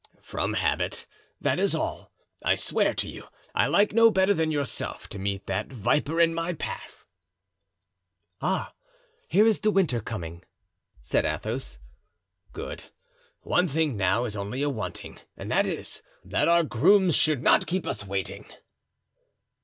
"From habit, that is all. I swear to you, I like no better than yourself to meet that viper in my path." "Ah! here is De Winter coming," said Athos. "Good! one thing now is only awanting and that is, that our grooms should not keep us waiting."